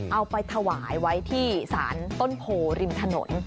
เอาไปถวายไว้ที่สารต้นโพริมถนน